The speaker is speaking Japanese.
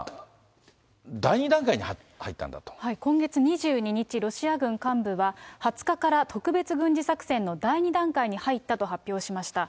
今月２２日、ロシア軍幹部は２０日から特別軍事作戦の第２段階に入ったと発表しました。